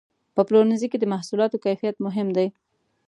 په پلورنځي کې د محصولاتو کیفیت مهم دی.